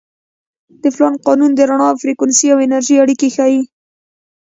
د پلانک قانون د رڼا فریکونسي او انرژي اړیکې ښيي.